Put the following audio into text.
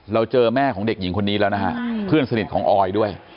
เราเจอแม่ของเด็กหญิงคนนี้แล้วนะฮะเพื่อนสนิทของออยด้วย